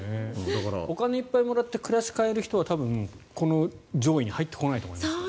お金をいっぱいもらって暮らしを変える人はこの上位に入ってこないと思う。